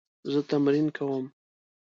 زه تمرین کوم